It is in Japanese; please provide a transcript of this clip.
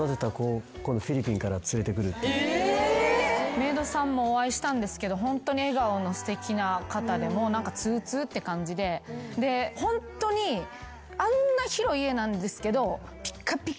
メイドさんもお会いしたんですけどホントに笑顔のすてきな方でつうつうって感じでホントにあんな広い家なんですけど。